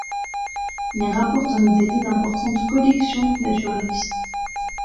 Il rapporte en Italie d'importantes collections naturalistes.